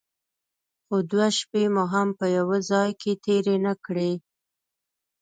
خو دوې شپې مو هم په يوه ځايگي کښې تېرې نه کړې.